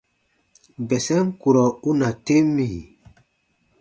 Bɛsɛm kurɔ u na tem mì ?: